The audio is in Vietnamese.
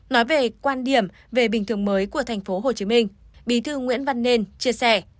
nói về quan điểm về bình thường mới của tp hcm bí thư nguyễn văn nên chia sẻ